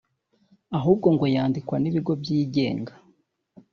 ahubwo ngo yandikwa n‘ibigo byigenga